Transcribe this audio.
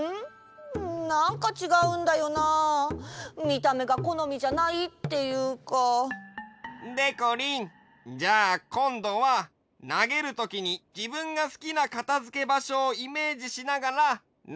みためがこのみじゃないっていうか。でこりんじゃあこんどはなげるときにじぶんがすきなかたづけばしょをイメージしながらなげてごらん！